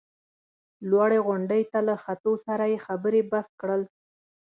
لوړې غونډۍ ته له ختو سره یې خبرې بس کړل.